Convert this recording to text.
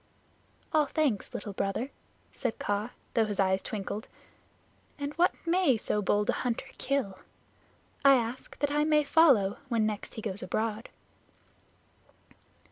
"All thanks, Little Brother," said Kaa, though his eyes twinkled. "And what may so bold a hunter kill? I ask that I may follow when next he goes abroad."